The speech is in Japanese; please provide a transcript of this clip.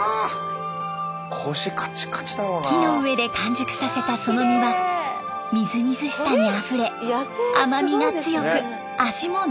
木の上で完熟させたその実はみずみずしさにあふれ甘みが強く味も濃厚。